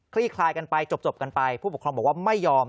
คลายกันไปจบกันไปผู้ปกครองบอกว่าไม่ยอม